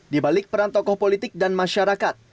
di balik peran tokoh politik dan masyarakat